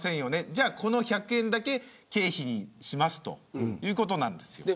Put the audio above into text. じゃあ、この１００円だけ経費にしますということなんです。